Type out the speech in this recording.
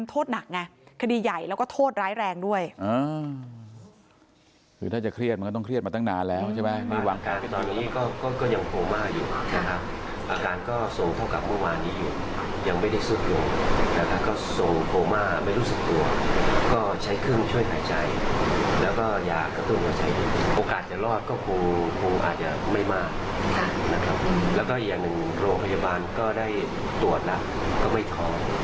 โรงพยาบาลก็ได้ตรวจแล้วก็ไม่ขอ